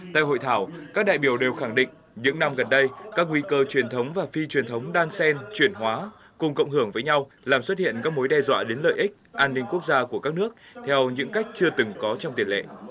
tại hội thảo các đại biểu đều khẳng định những năm gần đây các nguy cơ truyền thống và phi truyền thống đan sen chuyển hóa cùng cộng hưởng với nhau làm xuất hiện các mối đe dọa đến lợi ích an ninh quốc gia của các nước theo những cách chưa từng có trong tiền lệ